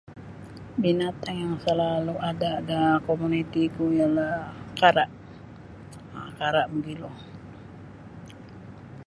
Binatang yang selalu ada da komunitiku ialah kara um kara mogilo.